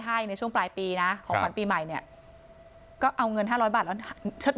ให้ในช่วงปลายปีนะของปีใหม่เนี่ยก็เอาเงิน๕๐๐บาทแล้ว